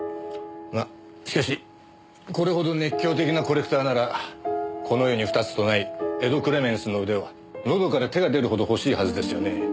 まあしかしこれほど熱狂的なコレクターならこの世に二つとない『エド・クレメンスの腕』をのどから手が出るほど欲しいはずですよね。